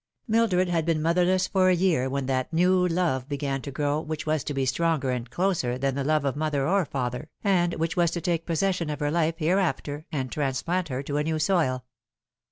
MILDRED had been motherless for a year when that new love began to grow which was to be stronger and closer than the love of mother or father, and which was to take possession of her life hereafter and transplant her to a new soil.